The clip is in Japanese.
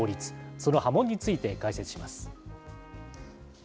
その波紋について解説します。